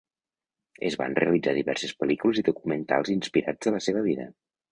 Es van realitzar diverses pel·lícules i documentals inspirats de la seva vida.